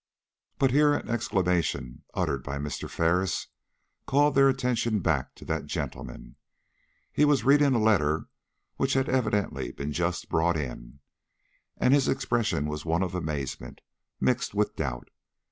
But here an exclamation, uttered by Mr. Ferris, called their attention back to that gentleman. He was reading a letter which had evidently been just brought in, and his expression was one of amazement, mixed with doubt.